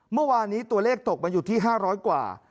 เมื่อวานนี้ตัวเลขตกมาอยู่ที่๕๐๐กว่า